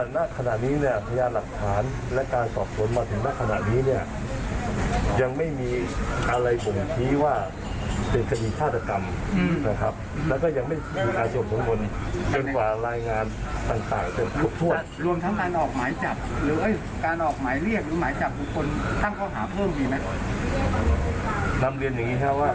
นำเรียนอย่างนี้ค่ะว่า